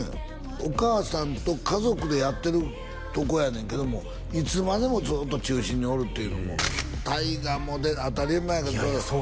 お母さんと家族でやってるとこやねんけどもいつまでもずっと中心におるっていうのも大河も当たり前やけどいやいやそうですね